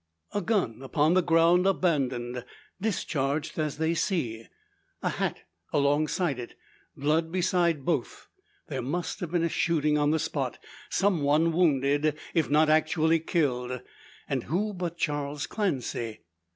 A gun upon the ground, abandoned, discharged as they see; a hat alongside it; blood beside both there must have been shooting on the spot some one wounded, if not actually killed? And who but Charles Clancy?